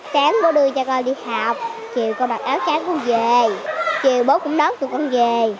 sáng bố đưa cho con đi học chiều con đặt áo trắng con về chiều bố cũng đón tụi con về